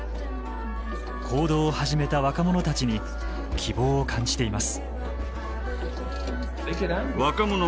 行動を始めた若者たちに希望を感じています。